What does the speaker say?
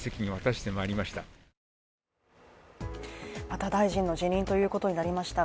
また大臣の辞任ということになりました。